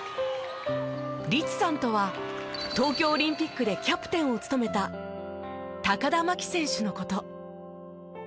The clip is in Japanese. リツさんとは東京オリンピックでキャプテンを務めた田真希選手の事。